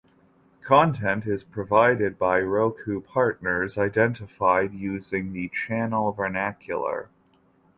Content is provided by Roku partners, identified using the "channel" vernacular.